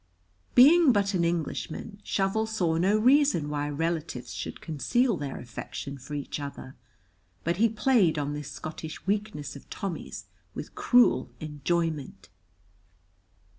Being but an Englishman, Shovel saw no reason why relatives should conceal their affection for each other, but he played on this Scottish weakness of Tommy's with cruel enjoyment.